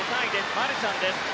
マルシャンです。